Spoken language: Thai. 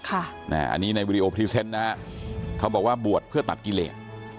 อันนี้ในวีดีโอพรีเซนต์นะฮะเขาบอกว่าบวชเพื่อตัดกิเลส